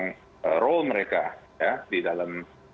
peran mereka di dalam